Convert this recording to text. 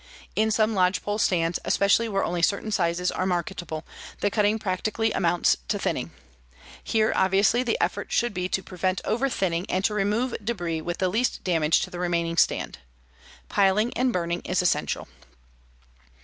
In some lodgepole stands, especially where only certain sizes are marketable, the cutting practically amounts to thinning. Here obviously the effort should be to prevent over thinning and to remove debris with the least damage to the remaining stand. Piling and burning is essential.